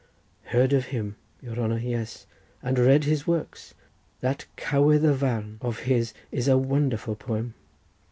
"Heard of him, your honour; yes, and read his works. That 'Cowydd y Farn' of his is a wonderful poem."